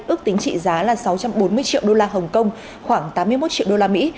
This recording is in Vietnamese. ước tính trị giá là sáu trăm bốn mươi triệu đô la hồng kông khoảng tám mươi một triệu đô la mỹ